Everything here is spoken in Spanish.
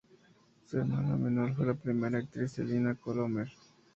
Su hermana menor fue la primera actriz Elina Colomer.